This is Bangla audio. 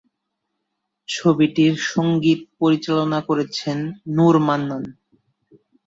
ছবিটির সঙ্গীত পরিচালনা করেছেন নূর মান্নান।